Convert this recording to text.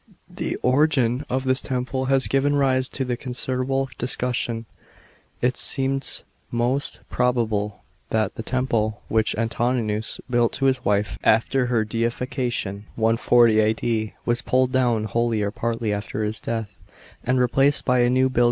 The origin of this temple has given rise to considerable discussion. It seems most probable that the temple which Antoninus built to his wife after her deification (140 A.D.) was pulled down wholly or partly after his dea h, and replaced by a new build.